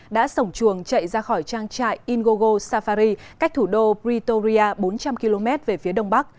đã sổng chuồng chạy ra khỏi trang trại ingogo safari cách thủ đô pritoria bốn trăm linh km về phía đông bắc